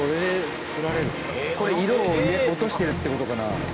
これ色を落としてるって事かな？